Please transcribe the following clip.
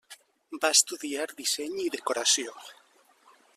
Va estudiar disseny i decoració.